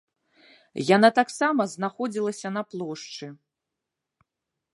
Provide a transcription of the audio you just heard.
Яна таксама знаходзілася на плошчы.